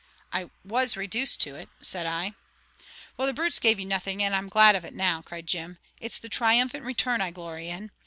"I WAS reduced to it," said I. "Well, the brutes gave you nothing, and I'm glad of it now!" cried Jim. "It's the triumphant return I glory in!